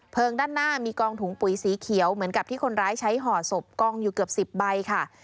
งด้านหน้ามีกองถุงปุ๋ยสีเขียวเหมือนกับที่คนร้ายใช้ห่อศพกองอยู่เกือบ๑๐ใบค่ะ